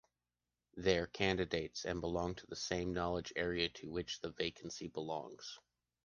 They’re candidates and belong to the same knowledge area to which the vacancy belongs.